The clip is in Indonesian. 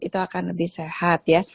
itu akan lebih sehat ya